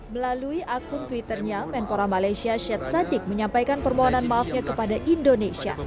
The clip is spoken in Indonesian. melalui akun twitternya menpora malaysia syed sadik menyampaikan permohonan maafnya kepada indonesia